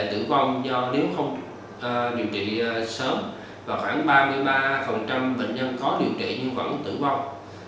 tử vong do nếu không điều trị sớm và khoảng ba mươi ba bệnh nhân có điều trị nhưng vẫn tử vong